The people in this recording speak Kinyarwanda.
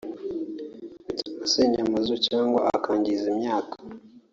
bituma asenya amazu cyangwa akangiza imyaka